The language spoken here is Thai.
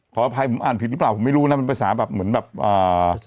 ขออภัยผมอ่านผิดหรือเปล่าผมไม่รู้นะมันภาษาแบบเหมือนแบบอ่า